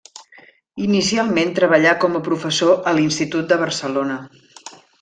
Inicialment treballà com a professor a l'Institut de Barcelona.